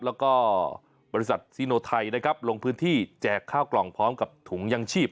แล้วก็บริษัทซีโนไทยนะครับลงพื้นที่แจกข้าวกล่องพร้อมกับถุงยังชีพ